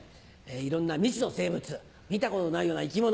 いろんな未知の生物見たことのないような生き物。